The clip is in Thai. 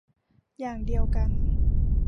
อย่างเดียวกัน